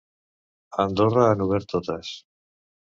A Andorra han obert totes.